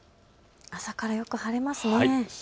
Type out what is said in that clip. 朝からよく晴れますね。